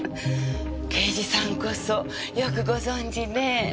刑事さんこそよくご存知ねぇ。